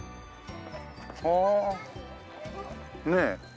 はあねえ。